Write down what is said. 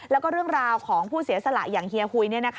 แล้วก็เรื่องราวของผู้เสียสละอย่างเฮียหุย